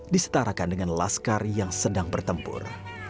disetarakan dengan laskar yang sedang bertempur